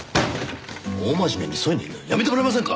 大真面目にそういうの言うのやめてもらえませんか？